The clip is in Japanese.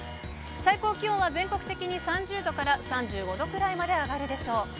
最高気温は全国的に３０度から３５度くらいまで上がるでしょう。